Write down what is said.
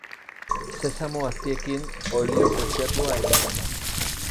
Sesamo-haziekin olio preziatua egiten da.